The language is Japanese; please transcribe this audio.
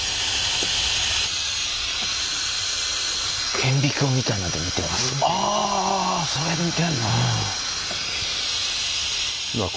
顕微鏡みたいなんで見てますね。